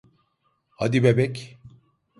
Hadi bebek.